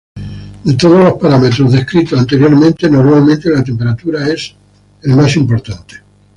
De todos los parámetros descritos anteriormente, normalmente la temperatura es el más importante.